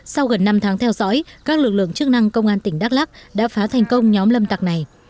sau gần năm tháng theo dõi các lực lượng chức năng công an tỉnh đắk lắc đã phá thành công nhóm lâm tặc này